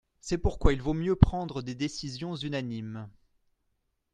C’est pourquoi il vaut mieux prendre des décisions unanimes.